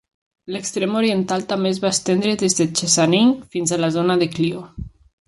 L'extrem oriental també es va estendre des de Chesaning fins a la zona de Clio.